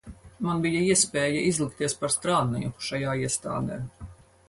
Man bija iespēja izlikties par strādnieku šajā iestādē.